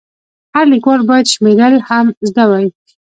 هر لیکوال باید شمېرل هم زده وای.